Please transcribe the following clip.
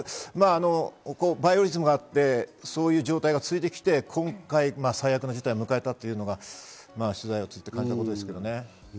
バイオリズムがあって、そういう状態が続いてきて、今回、最悪の事態を迎えたというのが取材を通じて感じたことですけどね。